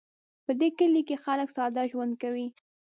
په دې کلي کې خلک ساده ژوند کوي